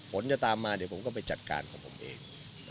จะตามมาเดี๋ยวผมก็ไปจัดการของผมเอง